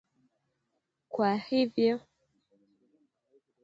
Kwa hivyo